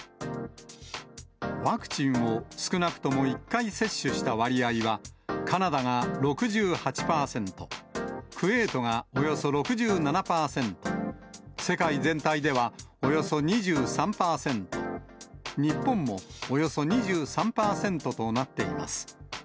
ワクチンを少なくとも１回接種した割合は、カナダが６８％、クウェートがおよそ６７％、世界全体ではおよそ２３％、日本もおよそ２３％となっています。